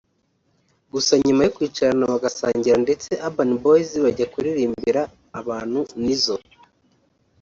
gusa nyuma yo kwicarana bagasangira ndetse Urban Boyz bajya kuririmbira abantu Nizzo